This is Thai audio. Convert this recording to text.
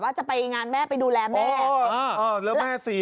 ว่าจะไปงานแม่ไปดูแลแม่อ๋ออ๋อแม่เศีย